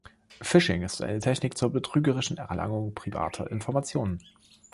Phishing ist eine Technik zur betrügerischen Erlangung privater Informationen.